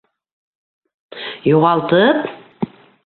Юғалтып?!